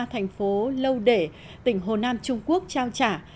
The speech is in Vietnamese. thành phố lâu để tỉnh hồ nam trung quốc trao trả